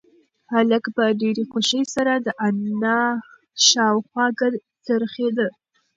هلک په ډېرې خوښۍ سره د انا شاوخوا څرخېده.